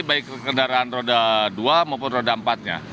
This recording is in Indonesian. baik kendaraan roda dua maupun roda empat nya